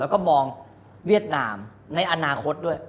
แล้วก็มองเวียดนามในอนาคตด้วย